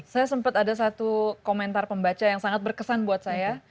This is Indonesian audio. saya sempat ada satu komentar pembaca yang sangat berkesan buat saya